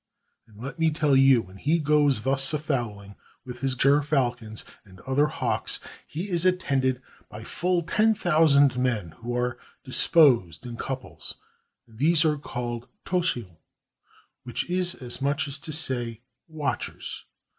And let me tell you when he goes thus a fowling with his gerfalcons and other hawks, he is attended by full ten thousand men who are disposed in couples; and these are called toscaol, which is as much as to say, "watchers."